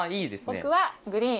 「僕はグリーン」